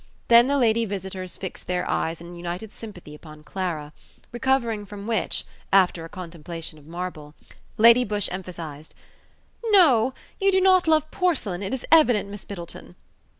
Then the lady visitors fixed their eyes in united sympathy upon Clara: recovering from which, after a contemplation of marble, Lady Busshe emphasized, "No, you do not love porcelain, it is evident, Miss Middleton."